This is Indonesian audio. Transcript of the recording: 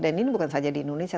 dan ini bukan saja di indonesia